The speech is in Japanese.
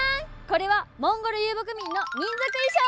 これはモンゴル遊牧民の民族衣装です。